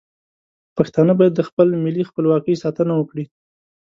پښتانه باید د خپل ملي خپلواکۍ ساتنه وکړي.